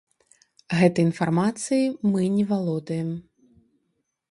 Гэтай інфармацыяй мы не валодаем.